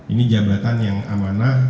ini jabatan yang amanah